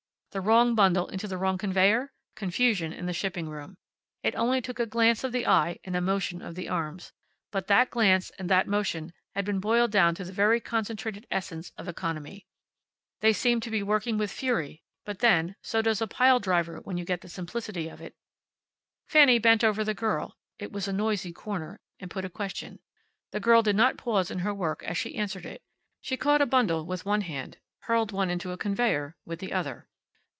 The wrong bundle into the wrong conveyer? Confusion in the shipping room. It only took a glance of the eye and a motion of the arms. But that glance and that motion had been boiled down to the very concentrated essence of economy. They seemed to be working with fury, but then, so does a pile driver until you get the simplicity of it. Fanny bent over the girl (it was a noisy corner) and put a question. The girl did not pause in her work as she answered it. She caught a bundle with one hand, hurled one into a conveyer with the other.